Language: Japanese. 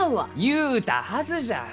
言うたはずじゃ！